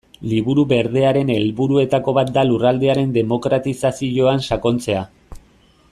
Liburu Berdearen helburuetako bat da lurraldearen demokratizazioan sakontzea.